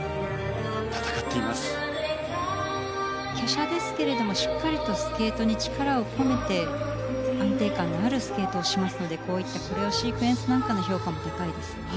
華奢ですけれどもしっかりとスケートに力を込めて安定感のあるスケートをしますのでこういったコレオシークエンスなんかの評価も高いですよね。